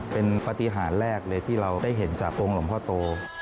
เป็นปฏิหารแรกเลยที่เราได้เห็นจากองค์หลวงพ่อโต